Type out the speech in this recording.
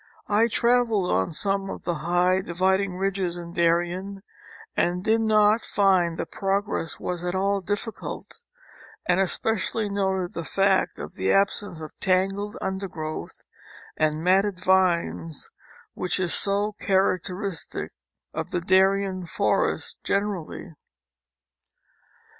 I traveled on some of the high dividing ridges in Darien, and did not find that progress was at all difficult, and especially noted the fact of the absence of tangled undergrow^th and matted vines vs^hich is so characteristic of the Darien forests generally.